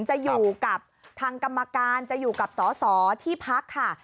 จะอยู่กับทางกรรมการจะอยู่กับสอสอที่พักค่ะ